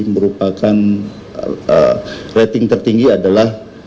merupakan rating tertinggi adalah